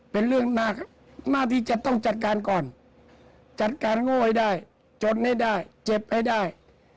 เป็นเรื่องน่าที่จะต้องจัดการก่อนจัดการโง่ให้ได้จนให้ได้เจ็บให้ได้